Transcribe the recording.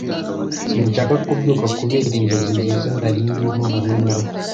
sinshaka kubyuka kubera inzozi nziza nari ndimo hamwe nawe